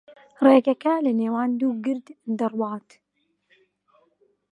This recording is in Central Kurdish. ڕێگاکە لەنێوان دوو گرد دەڕوات.